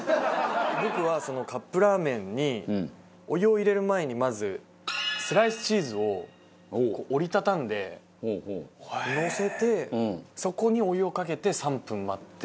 僕はそのカップラーメンにお湯を入れる前にまずスライスチーズを折り畳んでのせてそこにお湯をかけて３分待って。